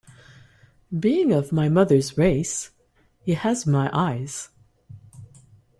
Being of my mother's race, he has my eyes.